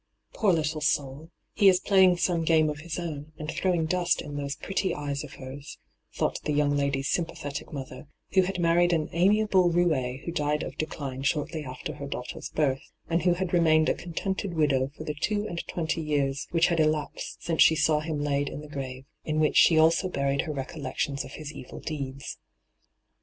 ' Poor little soul I he is playing some game of his own, and throwing dust in those pretty eyes of hers,' thought the young lady's sym pathetic mothier, who had married an amiable rou6 who died of decline shortly after her daughter's birth, and who had remained a contented widow for the two and twenty years which had elapsed since she saw him laid in the grave, in which she also buried her recol lections of his evil deeds.